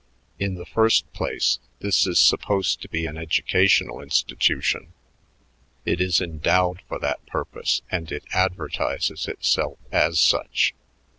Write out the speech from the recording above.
"In the first place, this is supposed to be an educational institution; it is endowed for that purpose and it advertises itself as such.